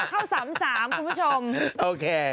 เข้า๓๓คุณผู้ชมโอเค